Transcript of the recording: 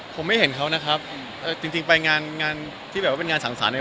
ผมไม่เห็นเขานะครับจริงจริงไปงานงานที่แบบว่าเป็นงานสั่งสารอะไร